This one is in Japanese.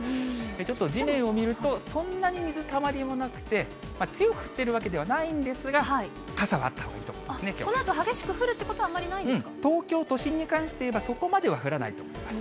ちょっと地面を見るとそんなに水たまりもなくて、強く降っているわけではないんですが、傘はあったほうがいいと思いますね、このあと激しく降るというこ東京都心に関して言えば、そこまでは降らないと思います。